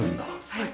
はい。